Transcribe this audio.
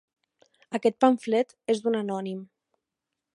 Aquest pamflet és d'un anònim.